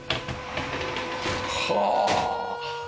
はあ！